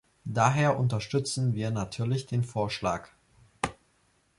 Daher unterstützen wir natürlich den Vorschlag.